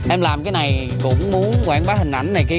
em làm cái này cũng muốn quảng bá hình ảnh này kia